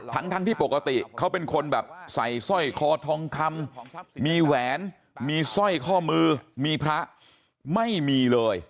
ทั้งที่ปกติเขาเป็นคนแบบใส่สร้อยคอทองคำมีแหวนมีสร้อยข้อมือมีพระไม่มีเลย